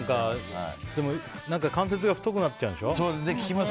でも、関節が太くなっちゃうんでしょ。